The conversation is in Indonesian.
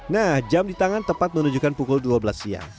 nah jam di tangan tepat menunjukkan pukul dua belas siang